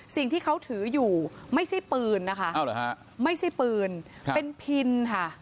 สิ่งที่เขาถืออยู่ไม่ใช่ปืนนะคะไม่ใช่ปืนเป็นพินค่ะ